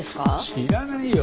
知らないよ。